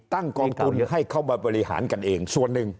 กองทุนให้เขามาบริหารกันเองส่วนหนึ่ง